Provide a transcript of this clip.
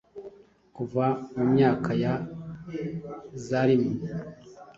Kuva mu myaka ya zarimwe